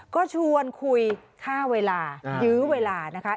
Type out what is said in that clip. ก็ชวนคุยค่าเวลายื้อเวลานะคะ